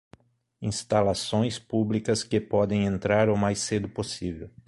Instalações públicas que podem entrar o mais cedo possível